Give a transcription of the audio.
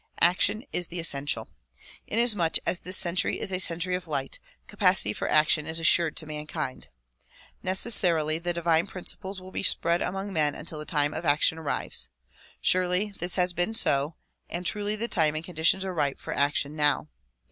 Action is the essential. Inasmuch as this century is a century of light, capacity for action is assured to mankind. Necessarily the divine principles will be spread among men until the time of action arrives. Surely this has been so and truly the time and conditions are ripe for action now.